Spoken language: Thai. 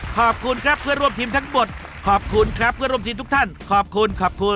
ขอบคุณครับเพื่อร่วมทีมทั้งหมดขอบคุณครับเพื่อร่วมทีมทุกท่านขอบคุณขอบคุณ